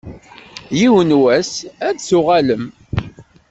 Yiwen n wass ad n-tuɣalem.